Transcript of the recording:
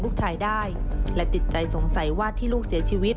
ลูกชายได้และติดใจสงสัยว่าที่ลูกเสียชีวิต